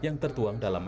yang tertuang dalam lhkpn